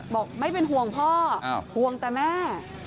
บอกไม่เป็นห่วงพ่อห่วงแต่แม่